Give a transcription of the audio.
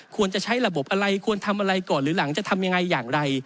ควรจะใช้ระบบอะไรควรทำอะไรก่อนหรือหลังจะทำยังไงอย่างไร